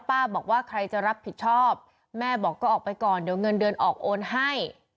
บอกว่าใครจะรับผิดชอบแม่บอกก็ออกไปก่อนเดี๋ยวเงินเดือนออกโอนให้